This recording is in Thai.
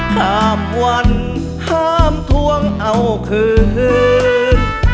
ข้ามวันห้ามทวงเอาคืน